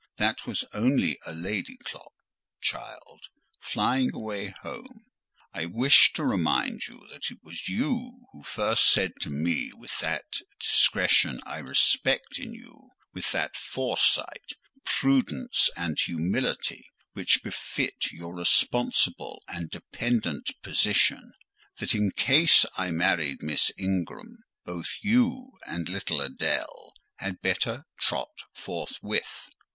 That was only a lady clock, child, 'flying away home.' I wish to remind you that it was you who first said to me, with that discretion I respect in you—with that foresight, prudence, and humility which befit your responsible and dependent position—that in case I married Miss Ingram, both you and little Adèle had better trot forthwith.